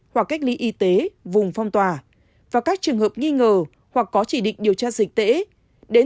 hoặc cách ly y tế vùng phong tỏa và các trường hợp nghi ngờ hoặc có chỉ định điều tra dịch tễ